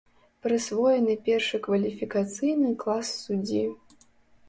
Прысвоены першы кваліфікацыйны клас суддзі.